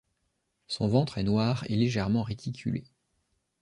Son ventre est noir et légèrement réticulé.